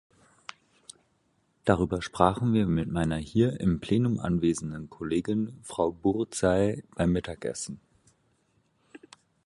Darüber sprachen wir mit meiner hier im Plenum anwesenden Kollegin, Frau Bourzai, beim Mittagessen.